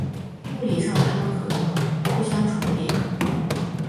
物理上它们可能互相重叠。